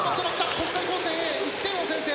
国際高専Ａ１点を先制。